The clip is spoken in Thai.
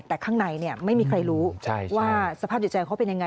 แต่ข้างในไม่มีใครรู้ว่าสภาพจิตใจเขาเป็นยังไง